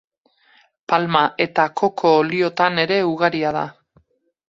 Palma eta koko oliotan ere ugaria da.